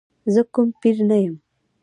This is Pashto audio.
زه کوم پیر نه یم.